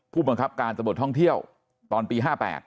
ผู้บังคับการสมบัติห้องเที่ยวตอนปี๕๘